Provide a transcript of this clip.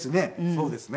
そうですね。